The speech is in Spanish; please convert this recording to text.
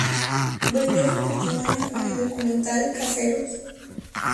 Brindó su testimonio en el documental "Caseros".